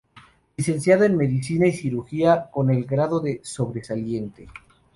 Licenciado en Medicina y Cirugía con el grado de sobresaliente.